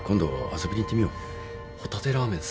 ホタテラーメン